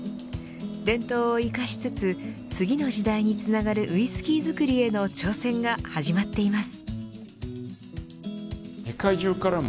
伝統を生かしつつ次の時代につながるウイスキー造りへの挑戦が始まっています。